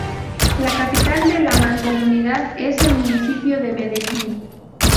La capital de la mancomunidad es el municipio de Medellín.